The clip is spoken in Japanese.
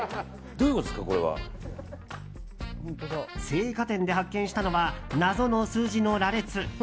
青果店で発見したのは謎の数字の羅列。